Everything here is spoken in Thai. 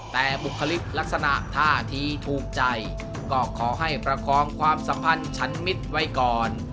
แต่บุคลิกลักษณะท่าทีถูกใจก็ขอให้ประคองความสัมพันธ์ชั้นมิตรไว้ก่อน